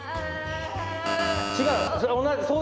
違う？